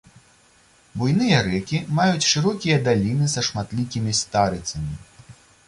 Буйныя рэкі маюць шырокія даліны са шматлікімі старыцамі.